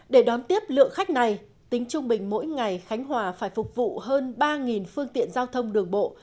để đón tiếp lượng khách này tính trung bình mỗi ngày khánh hòa phải phục vụ hơn ba phương tiện giao thông đường bộ